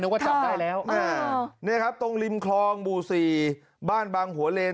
ว่าจับได้แล้วอ่านี่ครับตรงริมคลองหมู่สี่บ้านบางหัวเลน